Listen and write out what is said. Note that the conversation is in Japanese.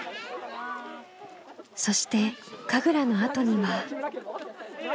そして神楽のあとには。